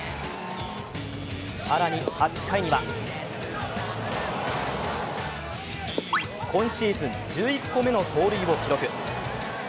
更に８回には、今シーズン１１個目の盗塁を記録。